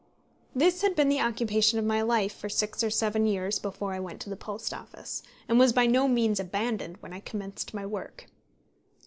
This had been the occupation of my life for six or seven years before I went to the Post Office, and was by no means abandoned when I commenced my work.